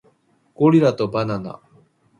ゴリラとバナナ